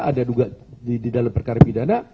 ada juga di dalam perkara pidana